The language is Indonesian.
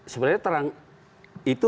sebenarnya terang itu